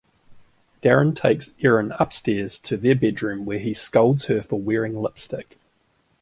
Darren takes Erin upstairs to their bedroom where he scolds her for wearing lipstick.